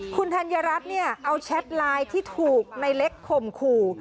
คุณธัญรัฐเนี่ยเอาแชทไลน์ที่ถูกในเล็กข่มขู่